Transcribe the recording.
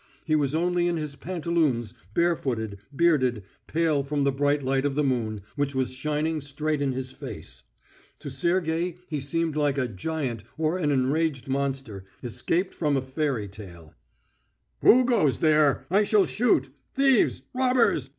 He was only in his pantaloons, bare footed, bearded, pale from the bright light of the moon, which was shining straight in his face. To Sergey he seemed like a giant or an enraged monster, escaped from a fairy tale. "Who goes there? I shall shoot. Thieves! Robbers!"